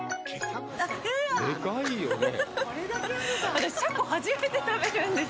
私、シャコ初めて食べるんです。